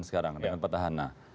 sekarang dengan petahana